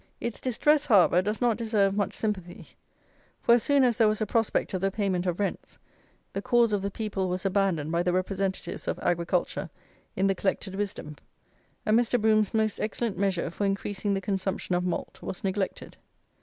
Its distress however does not deserve much sympathy, for as soon as there was a prospect of the payment of rents, the cause of the people was abandoned by the Representatives of Agriculture in the Collected Wisdom, and Mr. Brougham's most excellent measure for increasing the consumption of Malt was neglected.